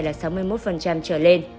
là sáu mươi một trở lên